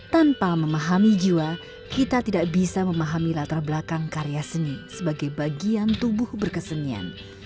tanpa memahami jiwa kita tidak bisa memahami latar belakang karya seni sebagai bagian tubuh berkesenian